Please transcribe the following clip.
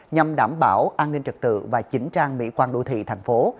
nhằm đảm bảo an ninh trật tự và chỉnh trang mỹ quan đô thị thành phố